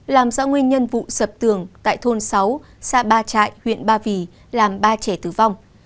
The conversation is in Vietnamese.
làm rõ nguyên nhân vụ sập tường tại thôn sáu xa ba trại huyện ba vì làm ba trẻ tử vong